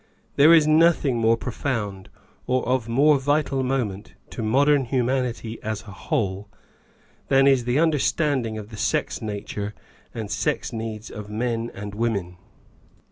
There is nothing more pro found, or of more vital moment to modern humanity as a whole, than is the understanding of the sex nature and sex needs of men and women.